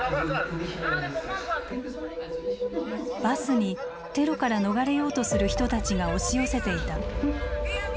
バスにテロから逃れようとする人たちが押し寄せていた。